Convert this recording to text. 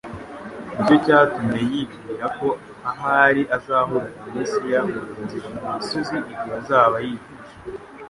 nicyo cyatumye yibwira ko ahari azahurira na Mesiya mu nzira mu misozi igihe azaba yigisha.